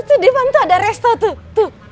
di depan tuh ada restoran tuh